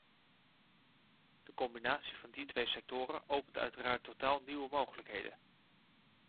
De combinatie van die twee sectoren opent uiteraard totaal nieuwe mogelijkheden.